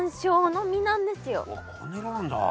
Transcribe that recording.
わっこんな色なんだ。